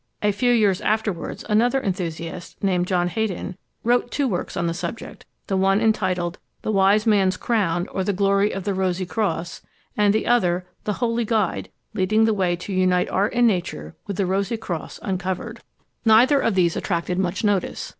A few years afterwards, another enthusiast, named John Heydon, wrote two works on the subject: the one entitled The Wise Man's Crown, or the Glory of the Rosie Cross; and the other, The Holy Guide, leading the way to unite Art and Nature with the Rosie Crosse uncovered. Neither of these attracted much notice.